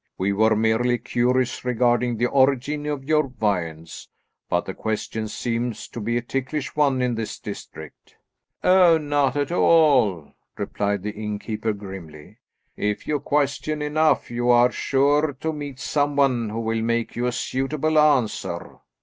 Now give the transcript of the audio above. "We were merely curious regarding the origin of your viands; but the question seems to be a ticklish one in this district." "Oh, not at all," replied the innkeeper grimly. "If you question enough, you are sure to meet some one who will make you a suitable answer."